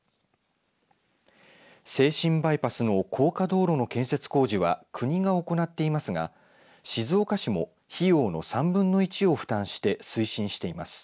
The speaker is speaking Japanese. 静清バイパスの高架道路の建設工事は国が行っていますが、静岡市も費用の３分の１を負担して推進しています。